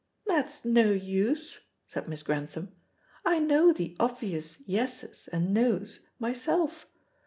"That's no use," said Miss Grantham. "I know the obvious 'Yeses' and 'Noes' myself.